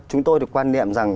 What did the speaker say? chúng tôi được quan niệm rằng